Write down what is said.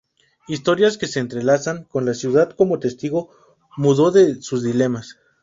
Historias que se entrelazan con la ciudad como testigo mudo de sus dilemas.